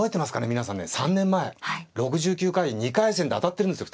皆さんね３年前６９回２回戦で当たってるんですよ